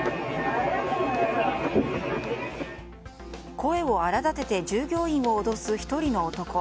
声を荒立てて従業員を脅す１人の男。